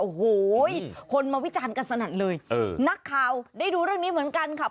โอ้โหคนมาวิจารณ์กันสนั่นเลยเออนักข่าวได้ดูเรื่องนี้เหมือนกันค่ะ